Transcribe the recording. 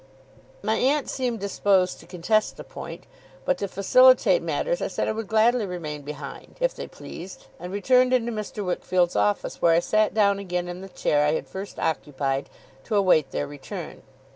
My aunt seemed disposed to contest the point; but to facilitate matters I said I would gladly remain behind, if they pleased; and returned into Mr. Wickfield's office, where I sat down again, in the chair I had first occupied, to await their return.